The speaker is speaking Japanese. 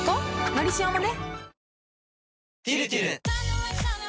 「のりしお」もね